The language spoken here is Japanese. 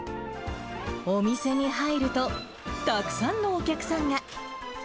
お店に入るとたくさんのお客さんが。